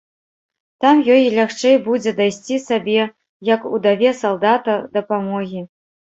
Там ёй лягчэй будзе дайсці сабе, як удаве салдата, дапамогі.